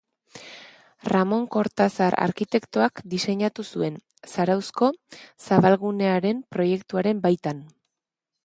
Ramon Kortazar arkitektoak diseinatu zuen, Zarauzko zabalgunearen proiektuaren baitan.